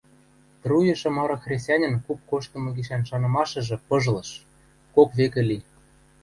труйышы мары хресӓньӹн куп коштымы гишӓн шанымашыжы пыжлыш, кок векӹ ли.